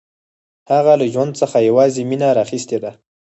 هغه له ژوند څخه یوازې مینه راخیستې ده